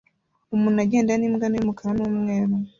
Umuntu agenda n'imbwa nto y'umukara n'umweru